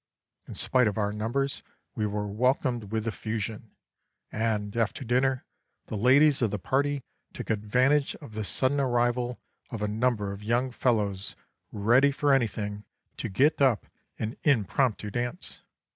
In spite of our numbers we were welcomed with effusion, and, after dinner, the ladies of the party took advantage of the sudden arrival of a number of young fellows ready for anything to get up an impromptu dance.